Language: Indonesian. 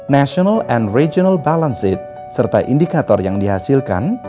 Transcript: national and regional balanced serta indikator yang dihasilkan